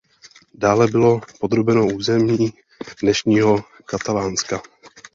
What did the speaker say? Dále bylo podrobeno území dnešního Katalánska.